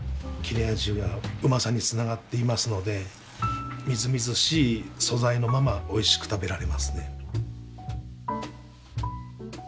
切れ味が旨さにつながっていますのでみずみずしい素材のままおいしく食べられますね。